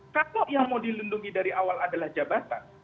kalau yang mau dilindungi dari awal adalah jabatan